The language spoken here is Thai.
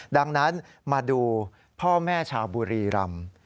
ดังนั้นมาดูพ่อแม่ชาวบุรีรำ